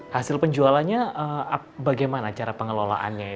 hasil penjualannya bagaimana cara pengelolaannya ya